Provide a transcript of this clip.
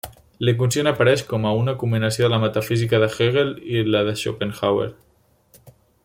L'inconscient apareix com a una combinació de la metafísica de Hegel i la de Schopenhauer.